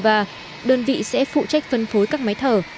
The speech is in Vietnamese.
và đơn vị sẽ phụ trách phân phối các máy thở